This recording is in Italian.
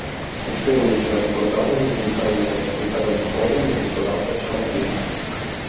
I suoi amici la ricordarono dedicandole una puntata di Forum intitolata "Ciao Tina!